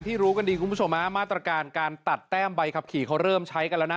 รู้กันดีคุณผู้ชมฮะมาตรการการตัดแต้มใบขับขี่เขาเริ่มใช้กันแล้วนะ